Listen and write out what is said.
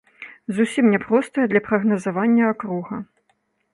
Зусім няпростая для прагназавання акруга.